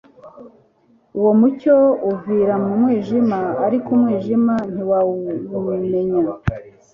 Uwo mucyo uvira mu mwijima ariko umwijima ntiwawumenya.»